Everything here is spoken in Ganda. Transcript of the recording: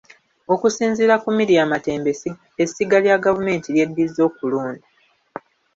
Okusinziira ku Miria Matembe essiga lya gavumenti lyeddiza okulonda.